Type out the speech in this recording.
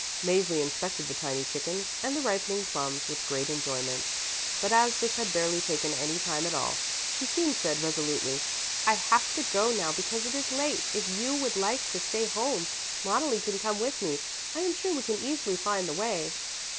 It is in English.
Mäzli inspected the tiny chickens and the ripening plums with great enjoyment, but as this had barely taken any time at all, she soon said resolutely, "I have to go now because it is late. If you would like to stay home, Loneli can come with me. I am sure we can easily find the way."